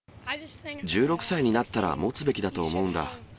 １６歳になったら持つべきだと思うんだ。